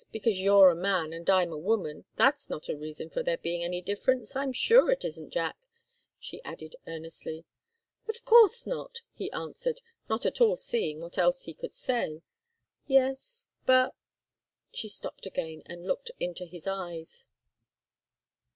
Because you're a man and I'm a woman that's not a reason for there being any difference I'm sure it isn't, Jack!" she added, earnestly. "Of course not!" he answered, not at all seeing what else he could say. "Yes but " She stopped again and looked into his eyes.